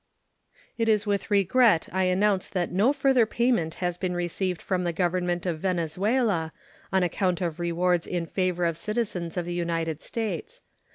It is with regret I announce that no further payment has been received from the Government of Venezuela on account of awards in favor of citizens of the United States.